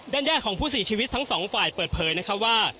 ญาติของผู้เสียชีวิตทั้งสองฝ่ายเปิดเผยนะครับว่า